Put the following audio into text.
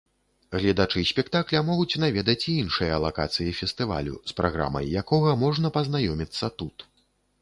Гледачы спектакля могуць наведаць і іншыя лакацыі фестывалю, з праграмай якога можна пазнаёміцца тут.